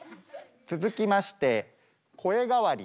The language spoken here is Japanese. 続きまして「声変わり」。